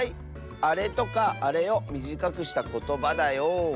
「あれ」とか「あれ」をみじかくしたことばだよ。